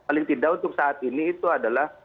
paling tidak untuk saat ini itu adalah